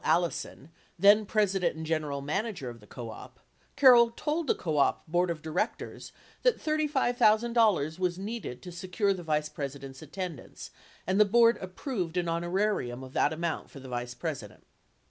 Allison, then president and general manager of the co op, Carroll told the co op board of directors that $35,000 was needed to secure the Vice Presi dent's attendance, and the board approved an "honorarium" of that amount for the Vice President.